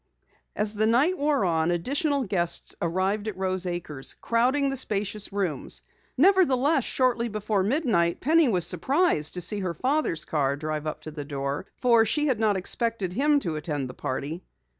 As the night wore on, additional guests arrived at Rose Acres, crowding the spacious rooms. Nevertheless, shortly before midnight, Penny was surprised to see her father's car drive up to the door, for she had not expected him to attend the party.